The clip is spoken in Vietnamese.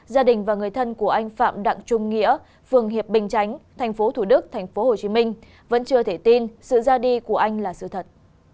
gia đình và người thân của anh phạm đặng trung nghĩa phường hiệp bình chánh tp thủ đức tp hcm vẫn chưa thể tin sự ra đi của anh là sự thật